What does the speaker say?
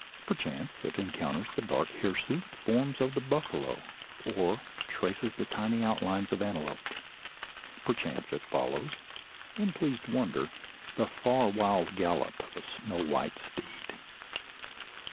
Perchance it encounters the dark hirsute forms of the buffalo, or traces the tiny outlines of the antelope. Perchance it follows, in pleased wonder, the far wild gallop of a snow white steed.